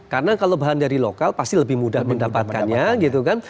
karena kalau bahan dari lokal pasti lebih mudah mendapatkannya